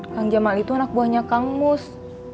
kang jamal itu anak buahnya kang mus